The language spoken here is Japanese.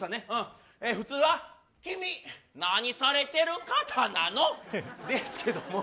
普通は君、何されてる方なのですけども。